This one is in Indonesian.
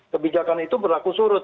kebijakan itu berlaku surut